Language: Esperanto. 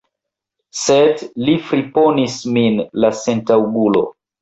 Sed li friponis min, la sentaŭgulo!